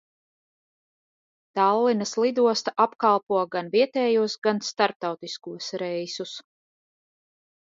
Tallinas lidosta apkalpo gan vietējos, gan starptautiskos reisus.